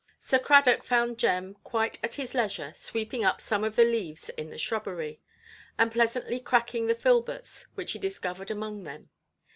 Sir Cradock found Jem quite at his leisure, sweeping up some of the leaves in the shrubbery, and pleasantly cracking the filberts which he discovered among them.